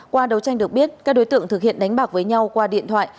qua đấu tranh được biết các đối tượng thực hiện đánh bạc với nhau qua điện thoại